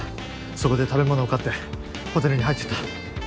そこで食べ物を買ってホテルに入っていった。